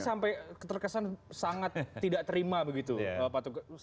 kenapa sih sampai terkesan sangat tidak terima begitu bapak tugas